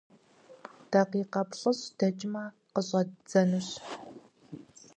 Дакъикъэ плӀыщӀ дэкӀмэ, къыщӀэддзэнущ.